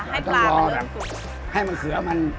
ให้มาดูแบบให้มะเขื้อมัน